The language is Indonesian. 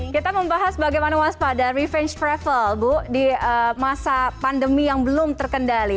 kita membahas bagaimana waspada revenge travel bu di masa pandemi yang belum terkendali